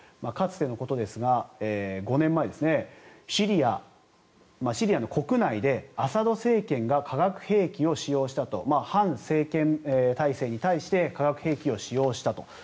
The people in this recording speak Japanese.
かつてのことですが、５年前シリアの国内でアサド政権が化学兵器を使用したと反政権体制に対して化学兵器を使用したと。